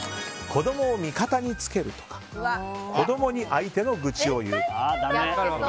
子供を味方につけるとか子供に相手の愚痴を言う。